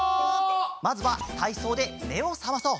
まずはたいそうでめをさまそう！